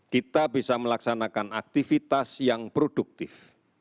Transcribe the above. kita bisa melaksanakan aktivitas yang produktif